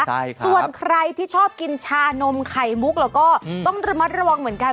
ใช่ค่ะส่วนใครที่ชอบกินชานมไข่มุกเราก็ต้องระมัดระวังเหมือนกัน